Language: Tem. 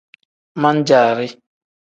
Man-jaari.